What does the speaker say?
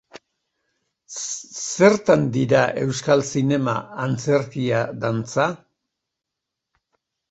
Zertan dira euskal zinema, antzerkia dantza?